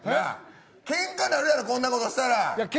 けんかになるやろこんなことしたら。